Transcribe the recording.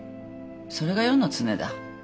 それが世の常だ。